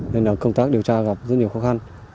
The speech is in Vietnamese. nên là công tác điều tra gặp rất nhiều khó khăn